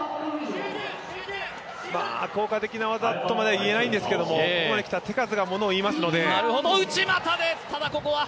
効果的な技とまではいえないんですけど、ここまで来たら手数がものをいいますので。